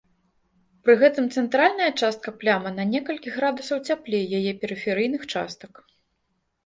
Пры гэтым цэнтральная частка плямы на некалькі градусаў цяплей яе перыферыйных частак.